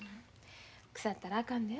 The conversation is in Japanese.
くさったらあかんで。